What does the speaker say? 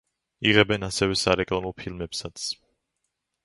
იღებენ ასევე სარეკლამო ფილმებსაც.